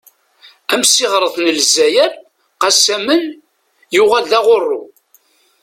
Amsiɣret n lezzayer "Qassaman" yuɣal d "Aɣurru".